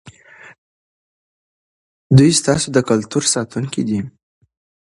دوی ستاسې د کلتور ساتونکي دي.